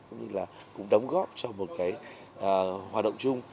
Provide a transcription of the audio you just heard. cũng như là cũng đóng góp cho một cái hoạt động chung